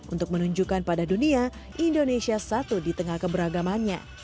untuk menunjukkan pada dunia indonesia satu di tengah keberagamannya